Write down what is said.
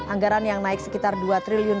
anggaran yang naik sekitar dua triliun